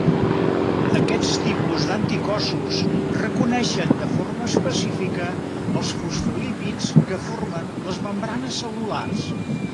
Aquest tipus d'anticossos reconeixen de forma específica els fosfolípids que formen les membranes cel·lulars.